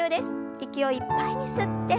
息をいっぱいに吸って。